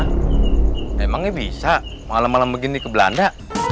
emangnya bisa malam malam begini ke belanda